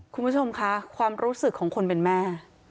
คุณผู้ชมคะความรู้สึกของคนเป็นแม่